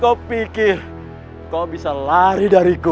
kau pikir kau bisa lari dari ku